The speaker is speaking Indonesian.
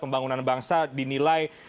pembangunan bangsa dinilai